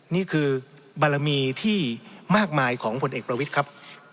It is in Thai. นี่คือบารมีที่มากมายของผลเอกประวิทย์ครับ